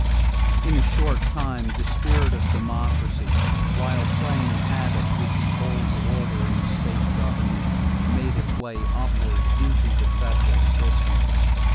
= In a short time the spirit of democracy, while playing havoc with the old order in state government, made its way upward into the federal system.